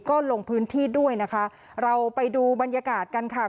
ก็ลงพื้นที่ด้วยนะคะเราไปดูบรรยากาศกันค่ะ